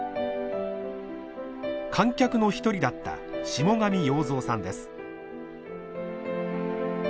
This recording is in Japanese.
観客の一人だった下神洋造さんです。